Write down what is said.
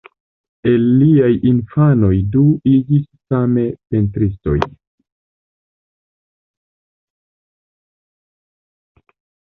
El liaj infanoj du iĝis same pentristo.